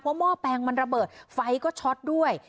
หม้อแปลงมันระเบิดไฟก็ช็อตด้วย